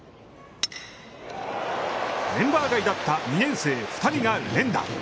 メンバー外だった２年生２人が連打。